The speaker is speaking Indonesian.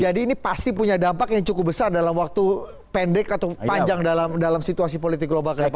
jadi ini pasti punya dampak yang cukup besar dalam waktu pendek atau panjang dalam situasi politik global ke depannya